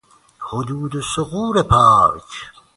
حدود و ثغور پارک